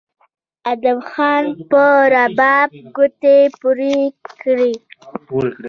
ادم خان په رباب ګوتې پورې کړې